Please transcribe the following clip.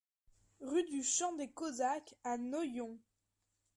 Rue du Champ des Cosaques à Noyon